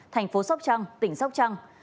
thành phố sóc trăng tỉnh sóc trăng